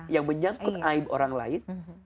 yang menyangkut aib orang lain